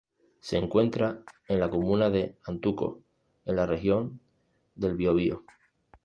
Se encuentra en la comuna de Antuco, en la Región del Biobío.